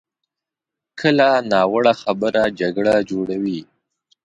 کله ناوړه خبره جګړه جوړوي.